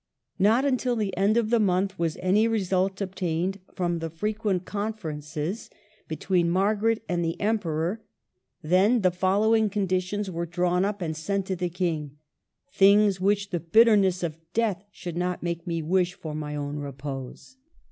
Not until the end of the month was any result obtained from the frequent conferences 102 MARGARET OF ANGOUL^ME. between Margaret and the Emperor; then the following conditions were drawn up and sent to the King, —'' things which the bitterness of death should not make me wish for my own repose."